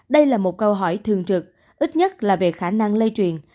đây là một câu hỏi thường trực ít nhất là về khả năng lây truyền